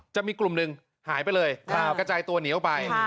จะมีกลุ่มหนึ่งหายไปเลยกระจายตัวหนีออกไป